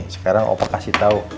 sama opa ya